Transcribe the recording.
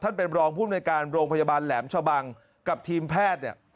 ท่านเป็นรองผู้ในการโรงพยาบาลแหลมชาวบังกับทีมแพทย์